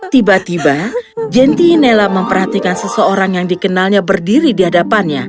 tiba tiba genti inela memperhatikan seseorang yang dikenalnya berdiri di hadapannya